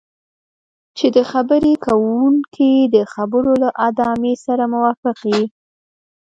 چې د خبرې کوونکي د خبرو له ادامې سره موافق یې.